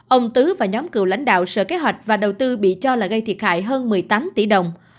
ông tứ và nhóm cựu lãnh đạo sở kế hoạch và đầu tư bị cho là gây thiệt hại hơn một mươi tám tỷ đồng